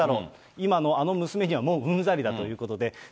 今のあの娘にはもううんざりだということで。